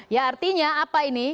ya artinya apa ini